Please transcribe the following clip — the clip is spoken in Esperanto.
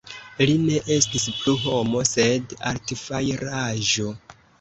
Li ne estis plu homo, sed artfajraĵo.